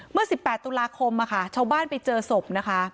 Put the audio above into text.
เมื่อ๑๘ตุลาคมชาวบ้านไปเจอศพนะคะ